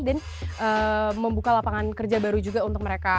dan membuka lapangan kerja baru juga untuk mereka